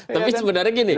tapi sebenarnya gini